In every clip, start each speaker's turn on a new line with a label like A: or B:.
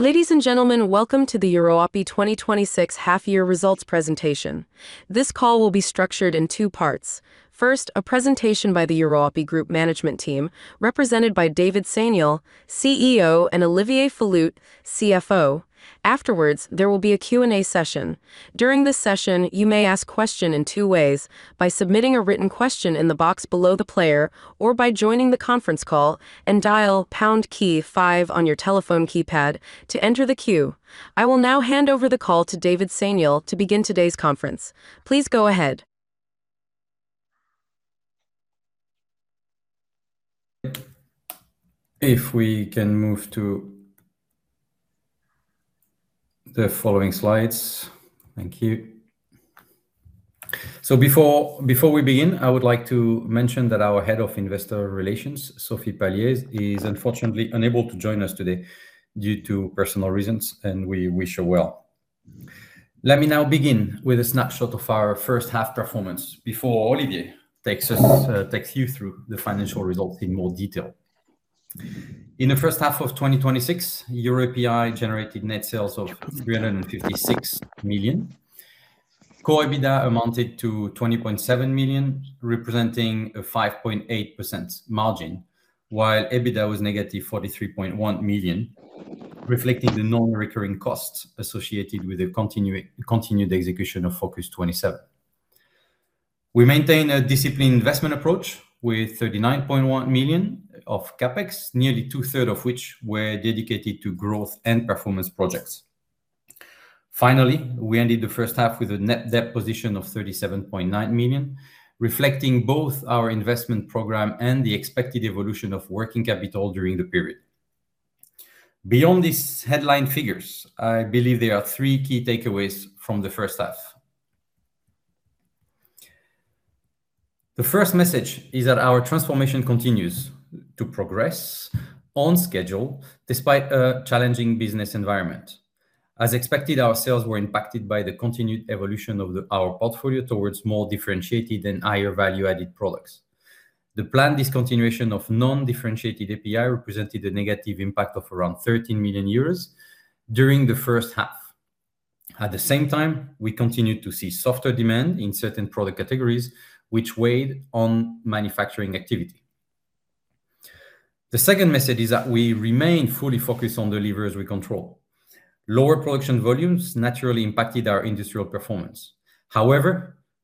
A: Ladies and gentlemen, welcome to the Euroapi 2026 half-year results presentation. This call will be structured in two parts. First, a presentation by the Euroapi Group management team, represented by David Seignolle, CEO, and Olivier Falut, CFO. Afterwards, there will be a Q&A session. During this session, you may ask question in two ways: by submitting a written question in the box below the player, or by joining the conference call and dial pound key five on your telephone keypad to enter the queue. I will now hand over the call to David Seignolle to begin today's conference. Please go ahead.
B: If we can move to the following slides. Thank you. Before we begin, I would like to mention that our head of investor relations, Sophie Palliez-Capian, is unfortunately unable to join us today due to personal reasons, and we wish her well. Let me now begin with a snapshot of our first half performance before Olivier takes you through the financial results in more detail. In the first half of 2026, Euroapi generated net sales of 356 million. Core EBITDA amounted to 20.7 million, representing a 5.8% margin, while EBITDA was -43.1 million, reflecting the non-recurring costs associated with the continued execution of FOCUS-27. We maintain a disciplined investment approach with 39.1 million of CapEx, nearly 2/3 of which were dedicated to growth and performance projects. Finally, we ended the first half with a net debt position of 37.9 million, reflecting both our investment program and the expected evolution of working capital during the period. Beyond these headline figures, I believe there are three key takeaways from the first half. The first message is that our transformation continues to progress on schedule despite a challenging business environment. As expected, our sales were impacted by the continued evolution of our portfolio towards more differentiated and higher value-added products. The planned discontinuation of non-differentiated API represented a negative impact of around 13 million euros during the first half. At the same time, we continued to see softer demand in certain product categories, which weighed on manufacturing activity. The second message is that we remain fully focused on the levers we control. Lower production volumes naturally impacted our industrial performance.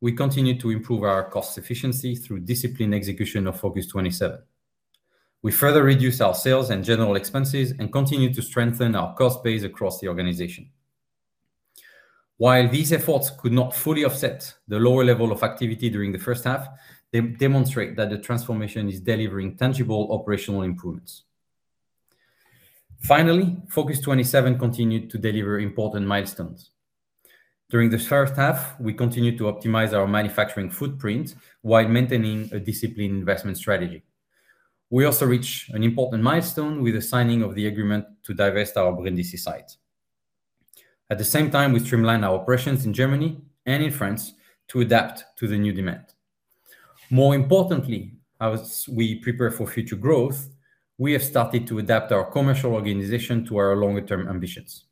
B: We continued to improve our cost efficiency through disciplined execution of FOCUS-27. We further reduced our sales and general expenses and continued to strengthen our cost base across the organization. While these efforts could not fully offset the lower level of activity during the first half, they demonstrate that the transformation is delivering tangible operational improvements. Finally, FOCUS-27 continued to deliver important milestones. During the first half, we continued to optimize our manufacturing footprint while maintaining a disciplined investment strategy. We also reached an important milestone with the signing of the agreement to divest our Brindisi site. At the same time, we streamlined our operations in Germany and in France to adapt to the new demand. More importantly, as we prepare for future growth, we have started to adapt our commercial organization to our longer-term ambitions.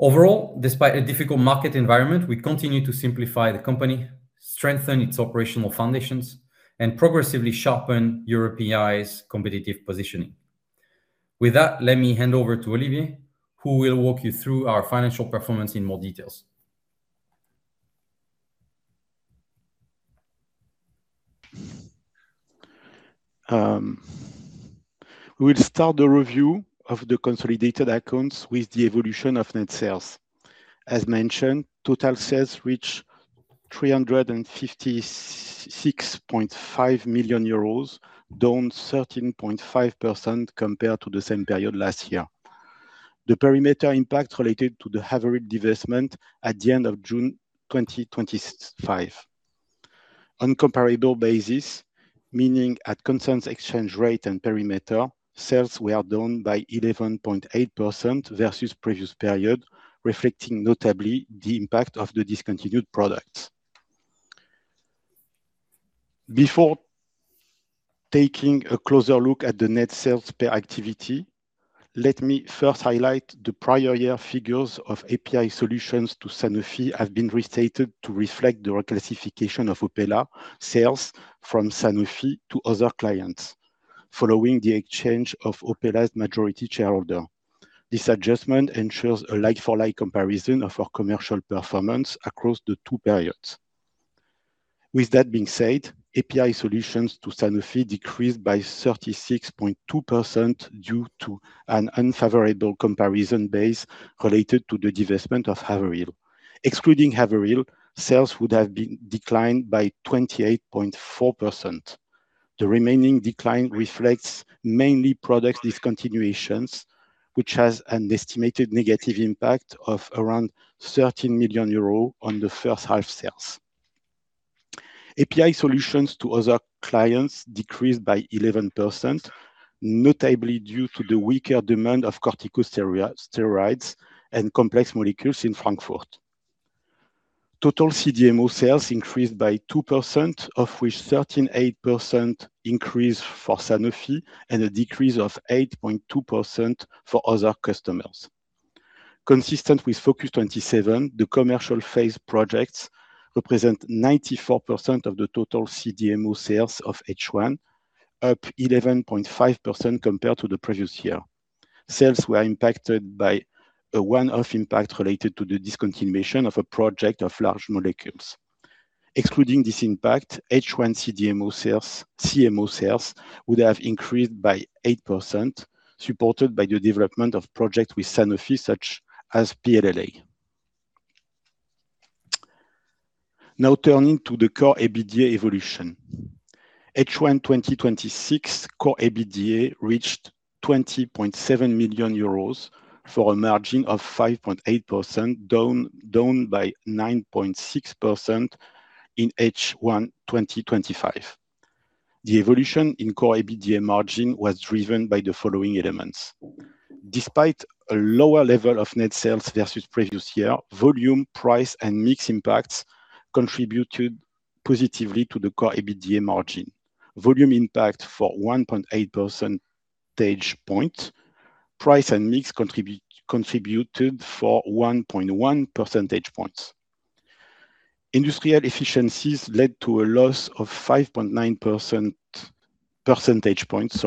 B: Overall, despite a difficult market environment, we continue to simplify the company, strengthen its operational foundations, and progressively sharpen Euroapi's competitive positioning. With that, let me hand over to Olivier, who will walk you through our financial performance in more details.
C: We'll start the review of the consolidated accounts with the evolution of net sales. As mentioned, total sales reached 356.5 million euros, down 13.5% compared to the same period last year. The perimeter impact related to the Haverhill divestment at the end of June 2025. On comparable basis, meaning at constant exchange rate and perimeter, sales were down by 11.8% versus previous period, reflecting notably the impact of the discontinued products. Before taking a closer look at the net sales per activity, let me first highlight the prior year figures of API Solutions to Sanofi have been restated to reflect the reclassification of Opella sales from Sanofi to other clients following the exchange of Opella's majority shareholder. This adjustment ensures a like-for-like comparison of our commercial performance across the two periods. With that being said, API Solutions to Sanofi decreased by 36.2% due to an unfavorable comparison base related to the divestment of Haverhill. Excluding Haverhill, sales would have declined by 28.4%. The remaining decline reflects mainly product discontinuations, which has an estimated negative impact of around 13 million euros on the first half sales. API Solutions to other clients decreased by 11%, notably due to the weaker demand of corticosteroids and complex molecules in Frankfurt. Total CDMO sales increased by 2%, of which 13.8% increase for Sanofi and a decrease of 8.2% for other customers. Consistent with FOCUS-27, the commercial phase projects represent 94% of the total CDMO sales of H1, up 11.5% compared to the previous year. Sales were impacted by a one-off impact related to the discontinuation of a project of large molecules. Excluding this impact, H1 CDMO sales, CMO sales would have increased by 8%, supported by the development of projects with Sanofi, such as PLLA. Now turning to the Core EBITDA evolution. H1 2026 Core EBITDA reached 20.7 million euros for a margin of 5.8%, down by 9.6% in H1 2025. The evolution in Core EBITDA margin was driven by the following elements. Despite a lower level of net sales versus previous year, volume, price, and mix impacts contributed positively to the Core EBITDA margin. Volume impact for 1.8 percentage point. Price and mix contributed for 1.1 percentage points. Industrial efficiencies led to a loss of 5.9 percentage points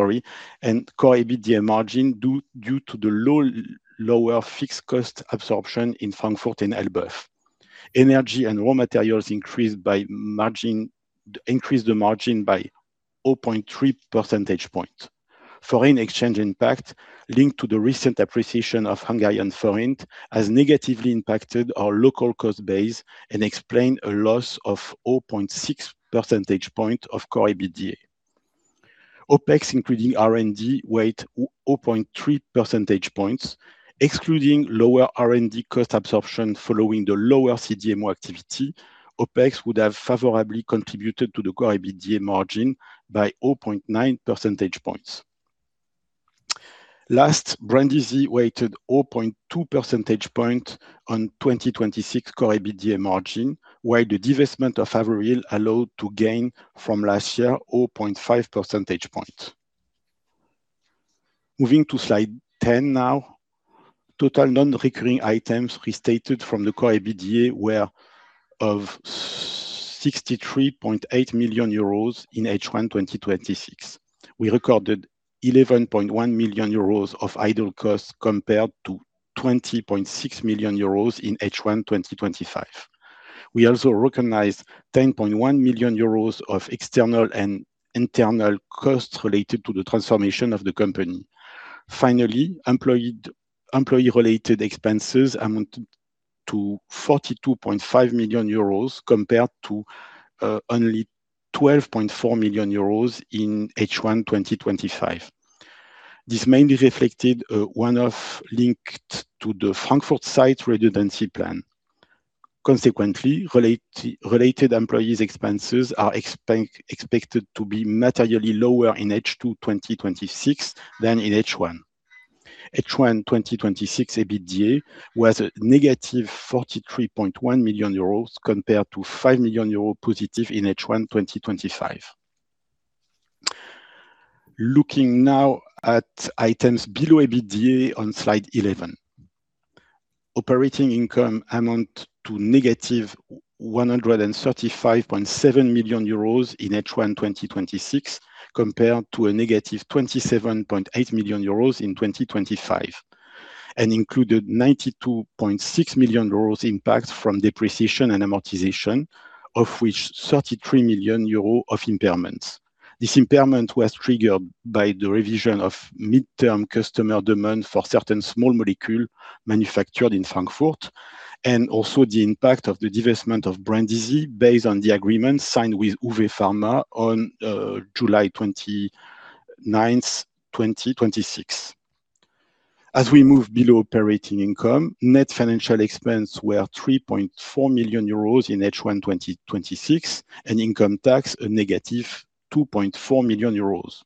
C: and Core EBITDA margin due to the lower fixed cost absorption in Frankfurt and Elbeuf. Energy and raw materials increased the margin by 0.3 percentage point. Foreign exchange impact linked to the recent appreciation of Hungarian forint has negatively impacted our local cost base and explained a loss of 0.6 percentage point of Core EBITDA. OpEx, including R&D, weighed 0.3 percentage points. Excluding lower R&D cost absorption following the lower CDMO activity, OpEx would have favorably contributed to the Core EBITDA margin by 0.9 percentage points. Last, Brindisi weighed 0.2 percentage point on 2026 Core EBITDA margin, while the divestment of Haverhill allowed to gain from last year 0.5 percentage point. Moving to slide 10 now. Total non-recurring items restated from the Core EBITDA were of 63.8 million euros in H1 2026. We recorded 11.1 million euros of idle costs compared to 20.6 million euros in H1 2025. We also recognized 10.1 million euros of external and internal costs related to the transformation of the company. Employee-related expenses amounted to 42.5 million euros compared to only 12.4 million euros in H1 2025. This mainly reflected one-off linked to the Frankfurt site redundancy plan. Consequently, related employees' expenses are expected to be materially lower in H2 2026 than in H1. H1 2026 EBITDA was at -43.1 million euros compared to 5 million euros positive in H1 2025. Looking now at items below EBITDA on Slide 11. Operating income amounted to -135.7 million euros in H1 2026 compared to a -27.8 million euros in 2025, and included 92.6 million euros impact from depreciation and amortization, of which 33 million euros of impairments. This impairment was triggered by the revision of midterm customer demand for certain small molecule manufactured in Frankfurt, and also the impact of the divestment of Brindisi based on the agreement signed with Huvepharma on July 29th, 2026. As we move below operating income, net financial expenses were 3.4 million euros in H1 2026, and income tax a negative 2.4 million euros.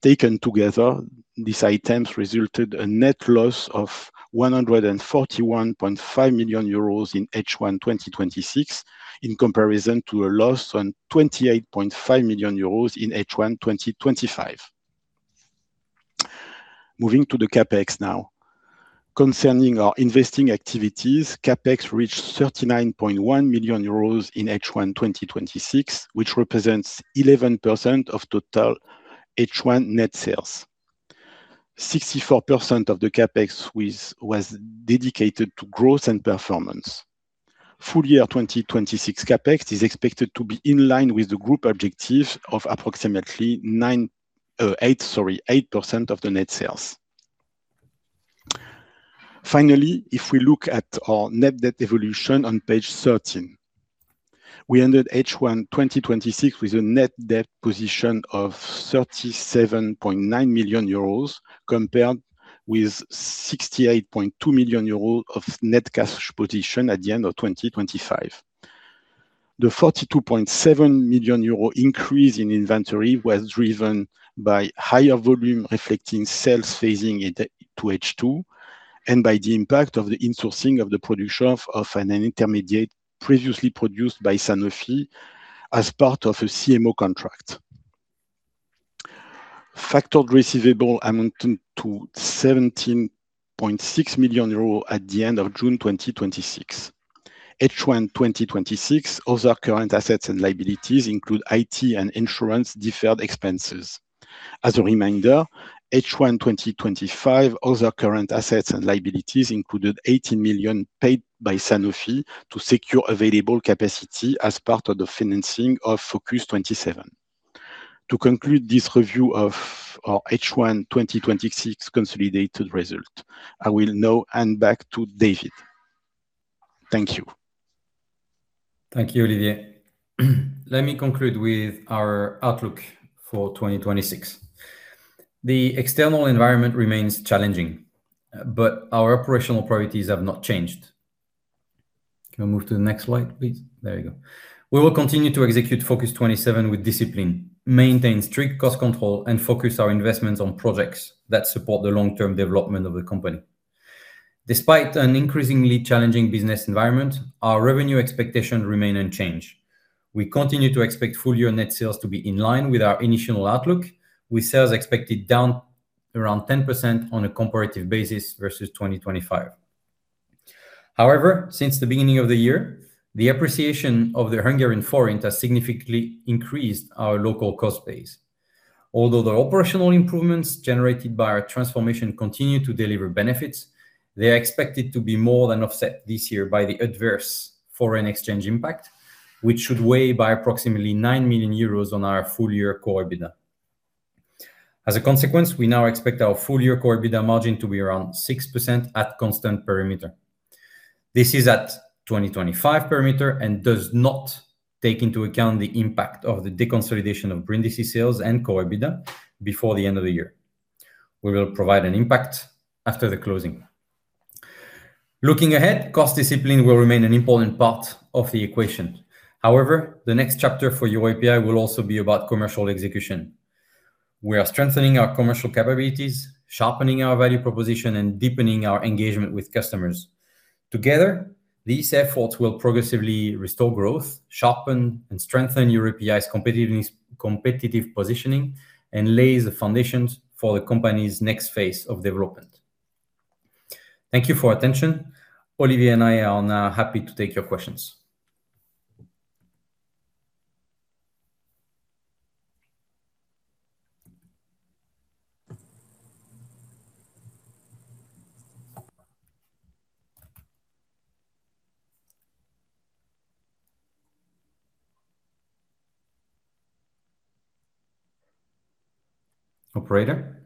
C: Taken together, these items resulted in a net loss of 141.5 million euros in H1 2026, in comparison to a loss of 28.5 million euros in H1 2025. Moving to the CapEx now. Concerning our investing activities, CapEx reached 39.1 million euros in H1 2026, which represents 11% of total H1 net sales. 64% of the CapEx was dedicated to growth and performance. Full year 2026 CapEx is expected to be in line with the group objective of approximately 8% of the net sales. Finally, if we look at our net debt evolution on page 13. We ended H1 2026 with a net debt position of 37.9 million euros compared with 68.2 million euros of net cash position at the end of 2025. The 42.7 million euro increase in inventory was driven by higher volume reflecting sales phasing it to H2, and by the impact of the insourcing of the production of an intermediate previously produced by Sanofi as part of a CMO contract. Factored receivables amounted to 17.6 million euros at the end of June 2026. H1 2026, other current assets and liabilities include IT and insurance deferred expenses. As a reminder, H1 2025, other current assets and liabilities included 18 million paid by Sanofi to secure available capacity as part of the financing of FOCUS-27. To conclude this review of our H1 2026 consolidated result, I will now hand back to David. Thank you.
B: Thank you, Olivier. Let me conclude with our outlook for 2026. The external environment remains challenging, but our operational priorities have not changed. Can we move to the next slide, please? There you go. We will continue to execute FOCUS-27 with discipline, maintain strict cost control, and focus our investments on projects that support the long-term development of the company. Despite an increasingly challenging business environment, our revenue expectations remain unchanged. We continue to expect full-year net sales to be in line with our initial outlook, with sales expected down around 10% on a comparative basis versus 2025. However, since the beginning of the year, the appreciation of the Hungarian forint has significantly increased our local cost base. Although the operational improvements generated by our transformation continue to deliver benefits, they are expected to be more than offset this year by the adverse foreign exchange impact, which should weigh by approximately 9 million euros on our full-year Core EBITDA. As a consequence, we now expect our full-year Core EBITDA margin to be around 6% at constant perimeter. This is at 2025 perimeter and does not take into account the impact of the deconsolidation of Brindisi sales and Core EBITDA before the end of the year. We will provide an impact after the closing. Looking ahead, cost discipline will remain an important part of the equation. However, the next chapter for Euroapi will also be about commercial execution. We are strengthening our commercial capabilities, sharpening our value proposition, and deepening our engagement with customers. Together, these efforts will progressively restore growth, sharpen and strengthen Euroapi's competitive positioning, and lay the foundations for the company's next phase of development. Thank you for attention. Olivier and I are now happy to take your questions. Operator?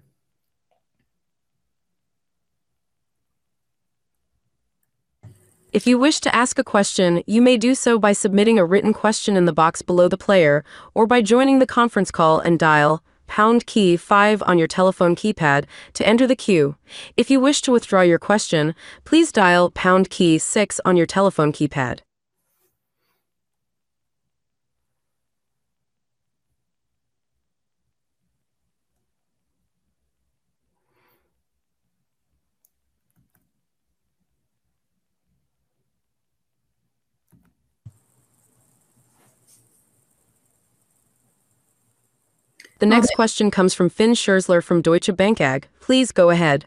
A: If you wish to ask a question, you may do so by submitting a written question in the box below the player or by joining the conference call and dial pound key five on your telephone keypad to enter the queue. If you wish to withdraw your question, please dial pound key six on your telephone keypad. The next question comes from Fynn Scherzler from Deutsche Bank AG. Please go ahead.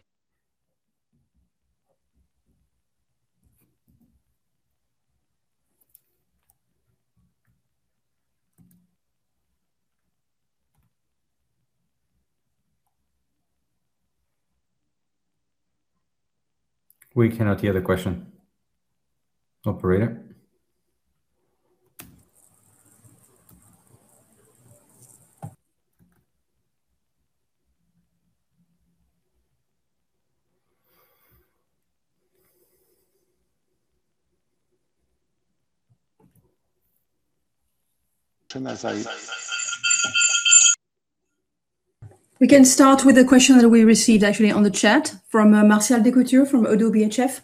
B: We cannot hear the question. Operator?
C: Fynn, as I-
D: We can start with a question that we received actually on the chat from Martial Descoutures from ODDO BHF.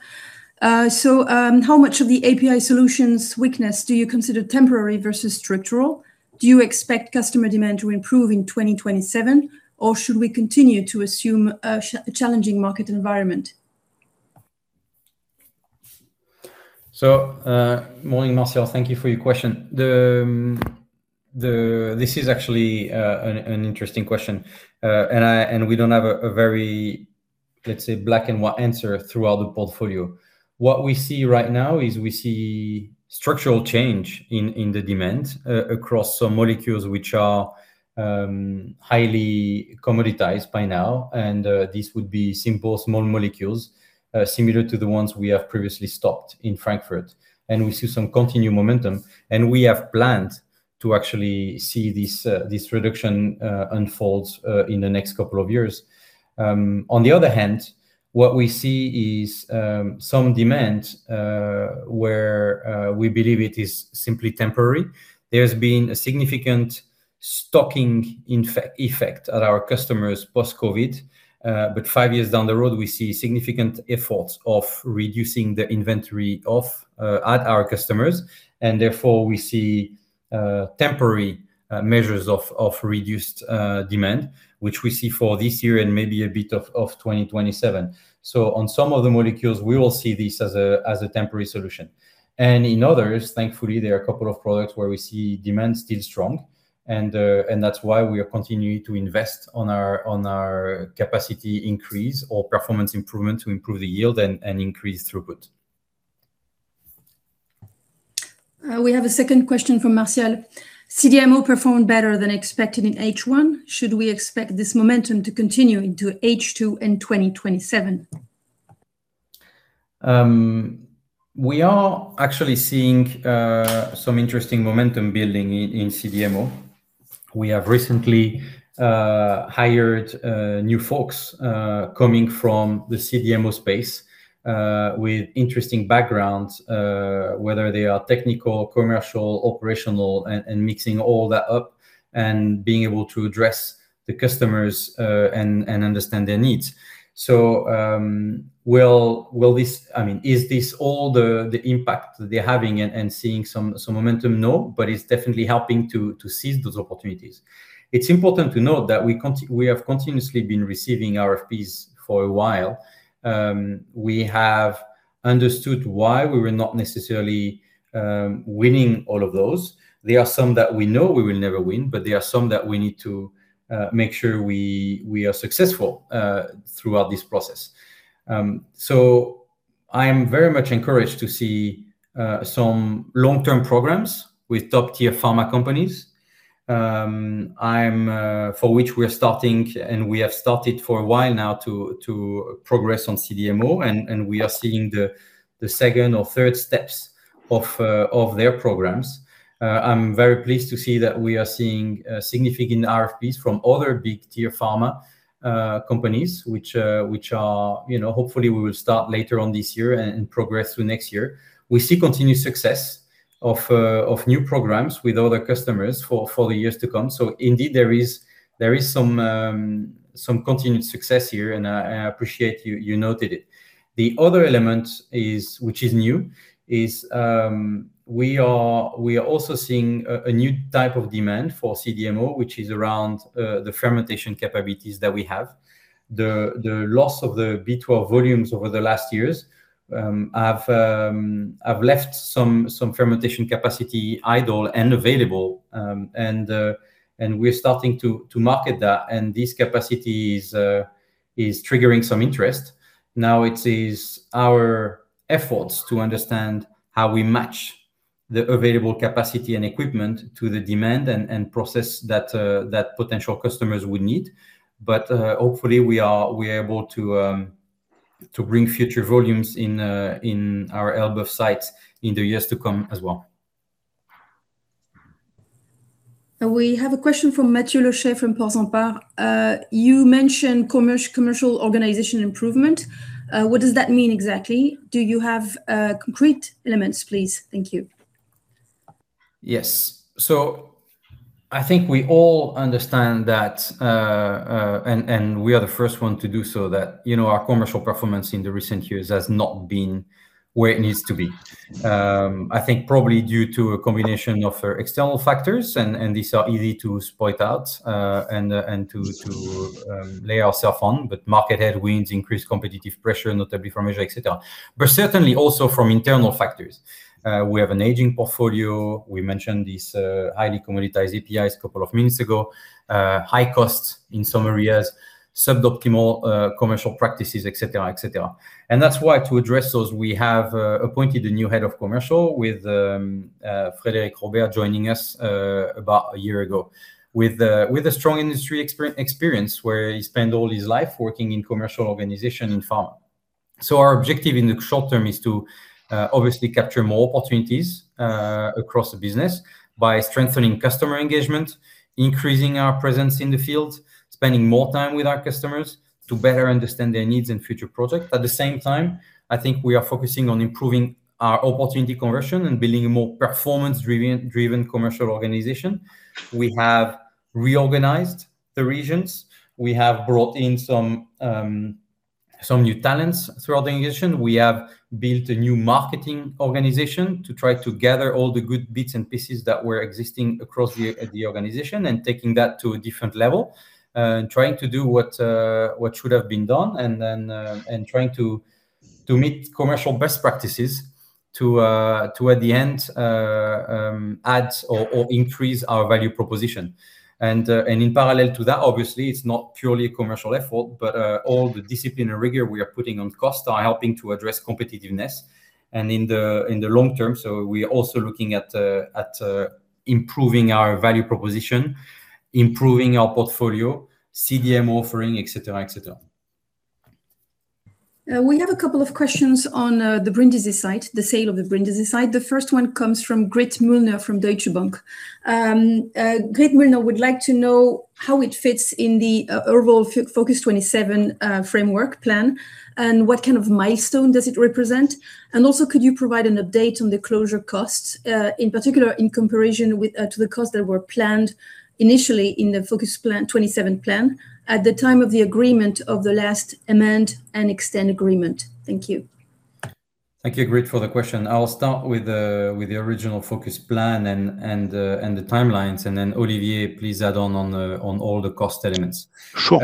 D: How much of the API Solutions weakness do you consider temporary versus structural? Do you expect customer demand to improve in 2027, or should we continue to assume a challenging market environment?
B: Morning, Martial. Thank you for your question. This is actually an interesting question, we don't have a very, let's say, black and white answer throughout the portfolio. What we see right now is we see structural change in the demand across some molecules which are highly commoditized by now, these would be simple small molecules, similar to the ones we have previously stocked in Frankfurt. We see some continued momentum, we have planned to actually see this reduction unfold in the next couple of years. On the other hand, what we see is some demand where we believe it is simply temporary. There's been a significant stocking effect at our customers post-COVID. Five years down the road, we see significant efforts of reducing the inventory at our customers, and therefore we see temporary measures of reduced demand, which we see for this year and maybe a bit of 2027. On some of the molecules, we will see this as a temporary solution. In others, thankfully, there are a couple of products where we see demand still strong, and that's why we are continuing to invest on our capacity increase or performance improvement to improve the yield and increase throughput.
D: We have a second question from Martial. "CDMO performed better than expected in H1. Should we expect this momentum to continue into H2 in 2027?
B: We are actually seeing some interesting momentum building in CDMO. We have recently hired new folks coming from the CDMO space with interesting backgrounds, whether they are technical, commercial, operational, and mixing all that up and being able to address the customers and understand their needs. Is this all the impact they're having in seeing some momentum? No, it's definitely helping to seize those opportunities. It's important to note that we have continuously been receiving RFPs for a while. We have understood why we were not necessarily winning all of those. There are some that we know we will never win, but there are some that we need to make sure we are successful throughout this process. I am very much encouraged to see some long-term programs with top-tier pharma companies, for which we are starting, and we have started for a while now to progress on CDMO, and we are seeing the second or third steps of their programs. I'm very pleased to see that we are seeing significant RFPs from other big tier pharma companies, which hopefully we will start later on this year and progress through next year. We see continued success of new programs with other customers for the years to come. Indeed, there is some continued success here, and I appreciate you noted it. The other element which is new is we are also seeing a new type of demand for CDMO, which is around the fermentation capabilities that we have. The loss of the B12 volumes over the last years have left some fermentation capacity idle and available. We're starting to market that, and this capacity is triggering some interest. It is our efforts to understand how we match the available capacity and equipment to the demand, and process that potential customers would need. Hopefully we are able to bring future volumes in our Elbeuf sites in the years to come as well.
D: We have a question from Matthieu Leconte from Portzamparc. "You mentioned commercial organization improvement. What does that mean exactly? Do you have concrete elements, please? Thank you.
B: Yes. I think we all understand that. We are the first one to do so, that our commercial performance in the recent years has not been where it needs to be. Probably due to a combination of external factors. These are easy to point out and to lay ourselves on. Market headwinds increase competitive pressure, notably from Asia, et cetera. Certainly also from internal factors. We have an aging portfolio. We mentioned these highly commoditized APIs a couple of minutes ago. High costs in some areas, suboptimal commercial practices, et cetera. That's why to address those, we have appointed a new head of commercial with Frédéric Robert joining us about a year ago with a strong industry experience, where he spent all his life working in commercial organization and pharma. Our objective in the short term is to obviously capture more opportunities across the business by strengthening customer engagement, increasing our presence in the field, spending more time with our customers to better understand their needs and future projects. At the same time, we are focusing on improving our opportunity conversion and building a more performance-driven commercial organization. We have reorganized the regions. We have brought in some new talents throughout the organization. We have built a new marketing organization to try to gather all the good bits and pieces that were existing across the organization and taking that to a different level. Trying to do what should have been done, and trying to meet commercial best practices to, at the end, add or increase our value proposition. In parallel to that, obviously, it's not purely a commercial effort, but all the discipline and rigor we are putting on costs are helping to address competitiveness. In the long term, we are also looking at improving our value proposition, improving our portfolio, CDMO offering, et cetera.
D: We have a couple of questions on the Brindisi site, the sale of the Brindisi site. The first one comes from Grit Mühlner from Deutsche Bank. Grit Mühlner would like to know how it fits in the overall FOCUS-27 framework plan, and what kind of milestone does it represent? Also, could you provide an update on the closure costs, in particular in comparison to the costs that were planned initially in the FOCUS-27 plan at the time of the agreement of the last amend and extend agreement? Thank you.
B: Thank you, Grit, for the question. I'll start with the original FOCUS-27 plan and the timelines, and then Olivier, please add on all the cost elements.
C: Sure.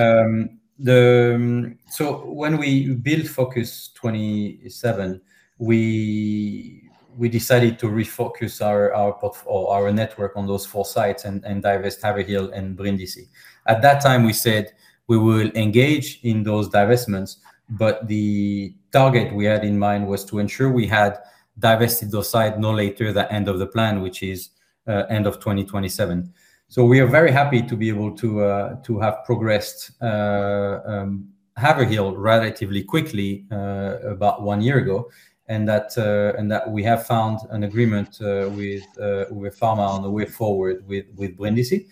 B: When we built FOCUS-27, we decided to refocus our network on those four sites and divest Haverhill and Brindisi. At that time, we said we will engage in those divestments, but the target we had in mind was to ensure we had divested those sites no later the end of the plan, which is end of 2027. We are very happy to be able to have progressed Haverhill relatively quickly about one year ago, and that we have found an agreement with Huvepharma on the way forward with Brindisi.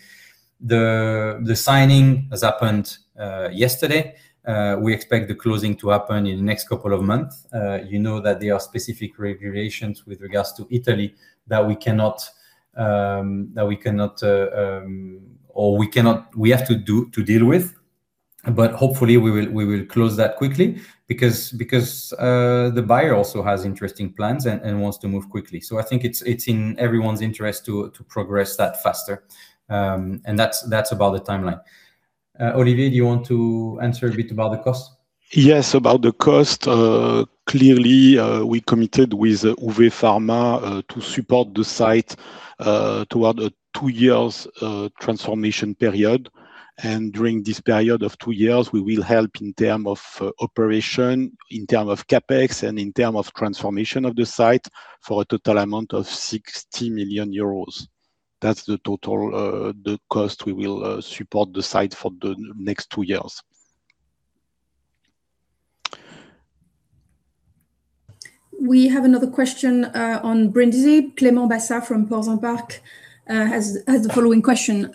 B: The signing has happened yesterday. We expect the closing to happen in the next couple of months. You know that there are specific regulations with regards to Italy that we have to deal with. Hopefully, we will close that quickly because the buyer also has interesting plans and wants to move quickly. I think it's in everyone's interest to progress that faster. That's about the timeline. Olivier, do you want to answer a bit about the cost?
C: Yes, about the cost, clearly, we committed with Huvepharma to support the site throughout a two years transformation period. During this period of two years, we will help in terms of operation, in terms of CapEx, and in terms of transformation of the site for a total amount of 60 million euros. That's the total cost we will support the site for the next two years.
D: We have another question on Brindisi. Clément Bassat from Portzamparc has the following question.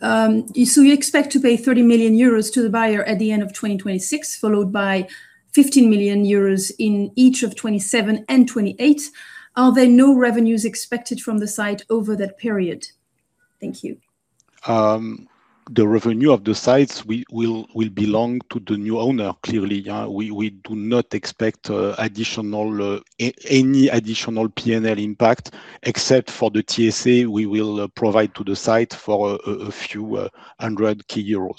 D: You expect to pay 30 million euros to the buyer at the end of 2026, followed by 15 million euros in each of 2027 and 2028. Are there no revenues expected from the site over that period? Thank you.
C: The revenue of the sites will belong to the new owner, clearly. We do not expect any additional P&L impact except for the TSA we will provide to the site for a few hundred k EUR.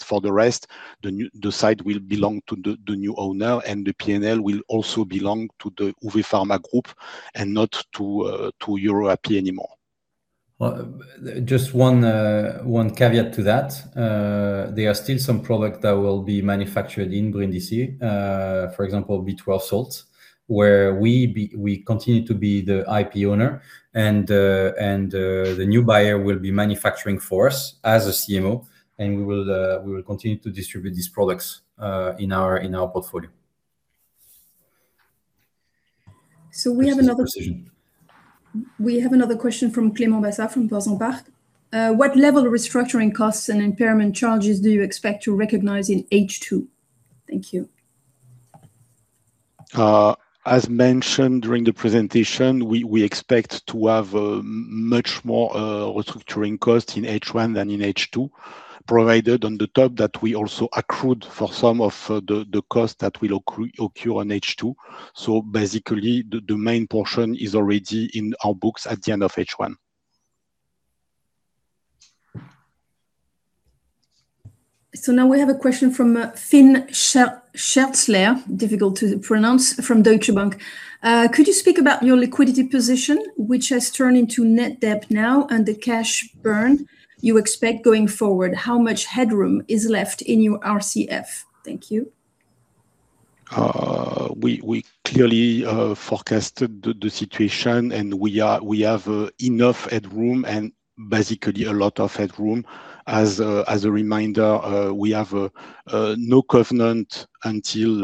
C: For the rest, the site will belong to the new owner, and the P&L will also belong to the Huvepharma group and not to Euroapi anymore.
B: Just one caveat to that. There are still some products that will be manufactured in Brindisi, for example, B12 salts, where we continue to be the IP owner and the new buyer will be manufacturing for us as a CMO, and we will continue to distribute these products in our portfolio.
D: We have another-
C: That's just a precision.
D: We have another question from Clément Bassat from Portzamparc. What level of restructuring costs and impairment charges do you expect to recognize in H2? Thank you.
C: As mentioned during the presentation, we expect to have much more restructuring costs in H1 than in H2, provided on top that we also accrued for some of the costs that will occur in H2. Basically, the main portion is already in our books at the end of H1.
D: Now we have a question from Fynn Scherzler, difficult to pronounce, from Deutsche Bank. Could you speak about your liquidity position, which has turned into net debt now, and the cash burn you expect going forward? How much headroom is left in your RCF? Thank you.
C: We clearly forecasted the situation, and we have enough headroom, and basically a lot of headroom. As a reminder, we have no covenant until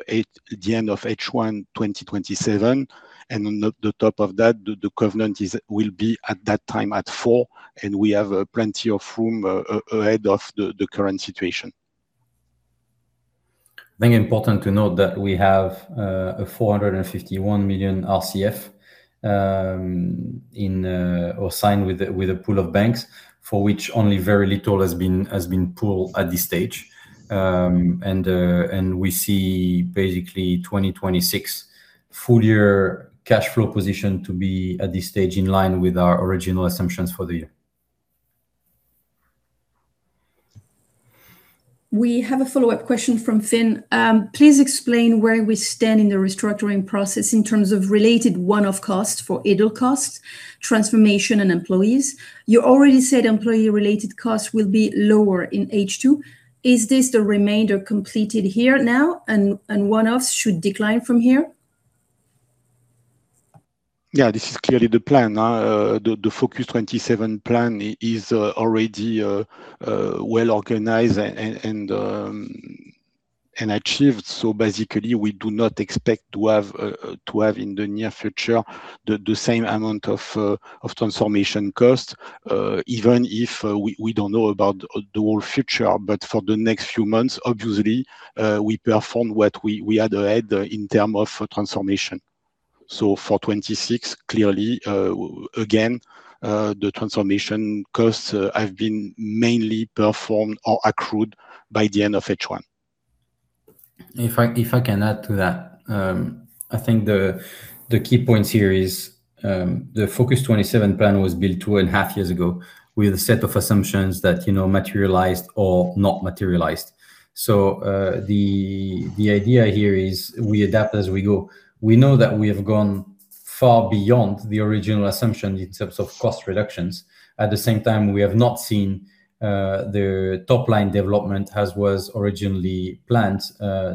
C: the end of H1 2027, and on top of that, the covenant will be at that time at four, and we have plenty of room ahead of the current situation.
B: I think it is important to note that we have a 451 million RCF signed with a pool of banks, for which only very little has been pooled at this stage. We see basically 2026 full year cash flow position to be at this stage in line with our original assumptions for the year.
D: We have a follow-up question from Fynn. Please explain where we stand in the restructuring process in terms of related one-off costs for idle costs, transformation, and employees. You already said employee-related costs will be lower in H2. Is this the remainder completed here now and one-offs should decline from here?
C: Yeah, this is clearly the plan. The FOCUS-27 plan is already well-organized and achieved. Basically, we do not expect to have, in the near future, the same amount of transformation costs, even if we don't know about the whole future. For the next few months, obviously, we perform what we had ahead in terms of transformation. For 2026, clearly, again, the transformation costs have been mainly performed or accrued by the end of H1.
B: If I can add to that. I think the key point here is the FOCUS-27 plan was built two and a half years ago with a set of assumptions that materialized or not materialized. The idea here is we adapt as we go. We know that we have gone far beyond the original assumption in terms of cost reductions. At the same time, we have not seen the top-line development as was originally planned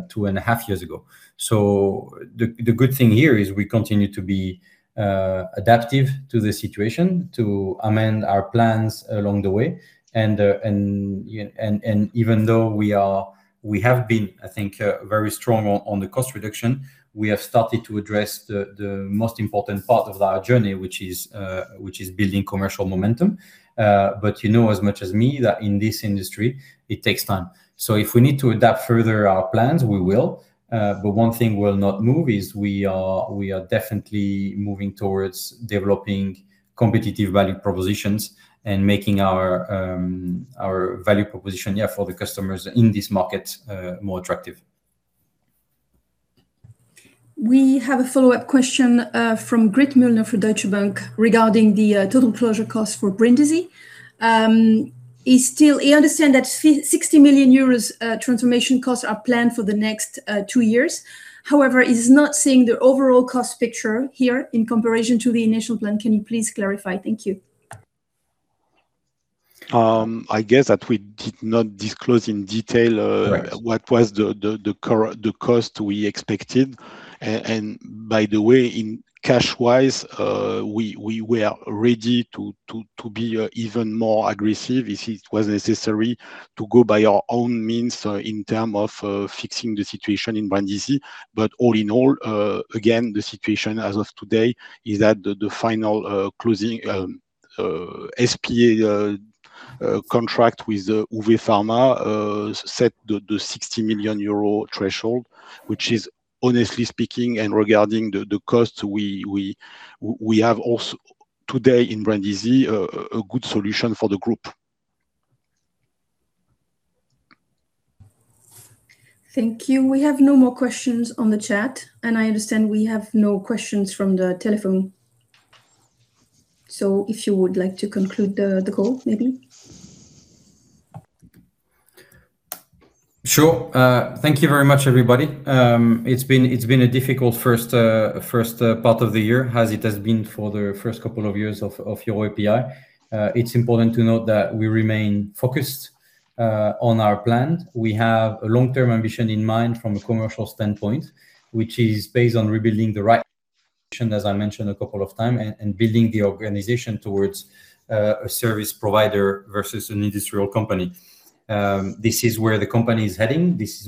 B: two and a half years ago. The good thing here is we continue to be adaptive to the situation, to amend our plans along the way. Even though we have been, I think, very strong on the cost reduction, we have started to address the most important part of our journey, which is building commercial momentum. You know as much as me that in this industry, it takes time. If we need to adapt further our plans, we will. One thing will not move is we are definitely moving towards developing competitive value propositions and making our value proposition for the customers in this market more attractive.
D: We have a follow-up question from Grit Mühlner for Deutsche Bank regarding the total closure cost for Brindisi. He understands that 60 million euros transformation costs are planned for the next two years. He's not seeing the overall cost picture here in comparison to the initial plan. Can you please clarify? Thank you.
C: I guess that we did not disclose in detail-
B: Correct.
C: what was the cost we expected. By the way, cash-wise, we were ready to be even more aggressive if it was necessary to go by our own means in term of fixing the situation in Brindisi. All in all, again, the situation as of today is that the final closing SPA contract with Huvepharma set the 60 million euro threshold, which is honestly speaking and regarding the cost, we have also today in Brindisi, a good solution for the group.
D: Thank you. We have no more questions on the chat, and I understand we have no questions from the telephone. If you would like to conclude the call, maybe.
B: Sure. Thank you very much, everybody. It's been a difficult first part of the year, as it has been for the first couple of years of Euroapi. It's important to note that we remain focused on our plan. We have a long-term ambition in mind from a commercial standpoint, which is based on rebuilding the right as I mentioned a couple of time, and building the organization towards a service provider versus an industrial company. This is where the company is heading. This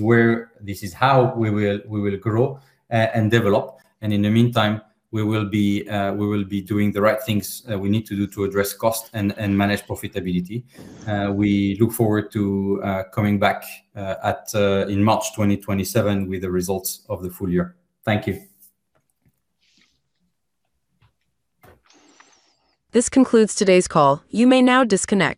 B: is how we will grow and develop, and in the meantime, we will be doing the right things we need to do to address cost and manage profitability. We look forward to coming back in March 2027 with the results of the full year. Thank you.
A: This concludes today's call. You may now disconnect.